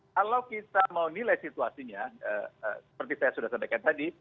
kalau kita mau nilai situasinya seperti saya sudah sampaikan tadi